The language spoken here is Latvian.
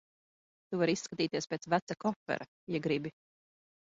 Tu vari izskatīties pēc veca kofera, ja gribi.